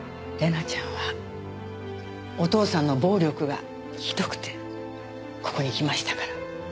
玲奈ちゃんはお父さんの暴力がひどくてここに来ましたから。